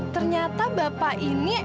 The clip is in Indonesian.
ternyata bapak ini